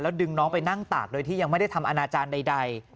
ดึงน้องไปนั่งตากโดยที่ยังไม่ได้ทำอนาจารย์ใด